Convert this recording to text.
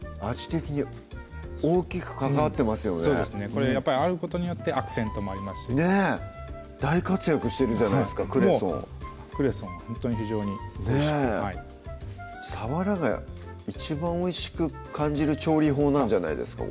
これあることによってアクセントもありますし大活躍してるじゃないですかクレソンクレソンほんとに非常においしくねぇさわらが一番おいしく感じる調理法なんじゃないですか？